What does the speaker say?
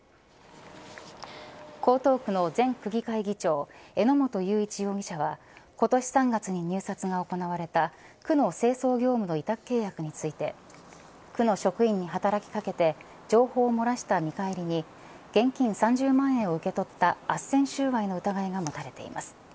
江東区の前区議会議長榎本雄一容疑者は今年３月に入札が行われた区の清掃業務の委託契約について区の職員に働き掛けて情報を漏らした見返りに現金３０万円を受け取ったあっせん収賄の疑いが持たれています。